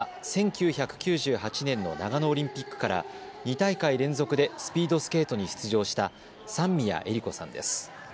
教師役を務めたのは１９９８年の長野オリンピックから２大会連続でスピードスケートに出場した三宮恵利子さんです。